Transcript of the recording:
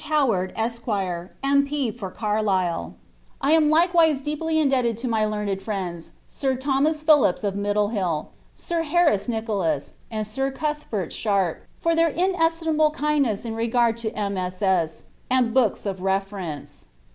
Howard, Esq. M.P. forCarhale, I am likewise deeply indebted to my learned friends, fitr Thomas Phillips of Middlehiti, Sir Harris Nicolas, and Sir Culhbert Sharp, for their inestimable Idndness in regard to MSS. and books of reference.